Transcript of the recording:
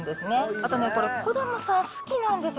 あとね、これ、子どもさん好きなんですよ。